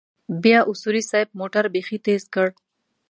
بيا اصولي صيب موټر بيخي تېز کړ.